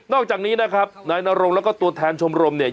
อกจากนี้นะครับนายนรงแล้วก็ตัวแทนชมรมเนี่ย